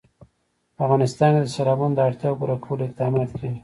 په افغانستان کې د سیلابونو د اړتیاوو پوره کولو اقدامات کېږي.